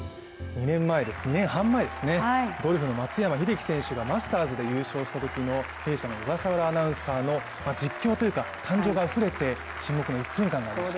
２年半前です、ゴルフの松山英樹選手がマスターズで優勝したときの弊社の小笠原アナウンサーの実況というか感情があふれて、沈黙の１分間がありました。